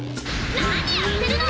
何やってるの！